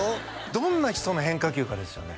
どんな人の変化球かですよね